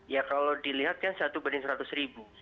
ya kalau dilihat kan satu banding seratus ribu